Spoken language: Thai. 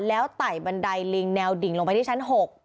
แล้วไต่บันไดลิงแนวดิ่งลงไปที่ชั้น๖